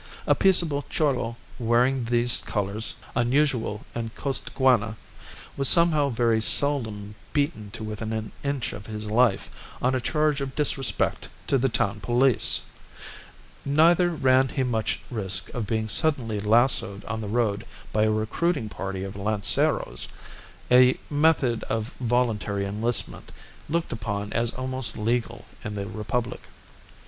A peaceable Cholo wearing these colours (unusual in Costaguana) was somehow very seldom beaten to within an inch of his life on a charge of disrespect to the town police; neither ran he much risk of being suddenly lassoed on the road by a recruiting party of lanceros a method of voluntary enlistment looked upon as almost legal in the Republic.